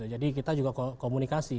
jadi kita juga komunikasi